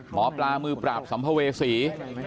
หมอปลามือปราบสัมภเวษี